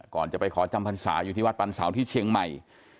ก่อนจะไปขอจำพรรษาอยู่ที่วัดปันเสาที่เชียงใหม่